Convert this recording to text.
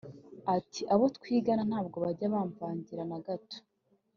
Ati “Abo twigana ntabwo bajya bamvangira na gato